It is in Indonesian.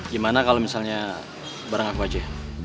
gimana kalo misalnya bareng aku aja